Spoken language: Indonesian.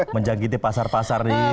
menjakiti pasar pasar nih